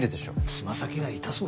つま先が痛そうだな。